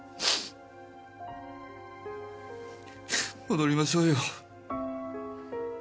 戻りましょうよ。